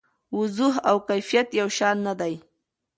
وضوح او کیفیت یو شان نه دي.